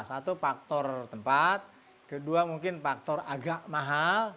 satu faktor tempat kedua mungkin faktor agak mahal